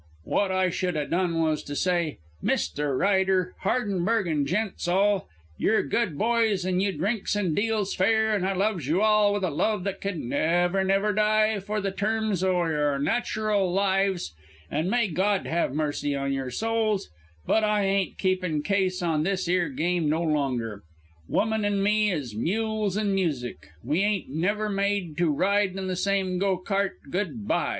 What I should a done was to say, 'Mister Ryder, Hardenberg and gents all: You're good boys an' you drinks and deals fair, an' I loves you all with a love that can never, never die for the terms o' your natural lives, an' may God have mercy on your souls; but I ain't keepin' case on this 'ere game no longer. Woman and me is mules an' music. We ain't never made to ride in the same go cart Good by.'